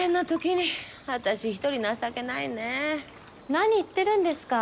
何言ってるんですか。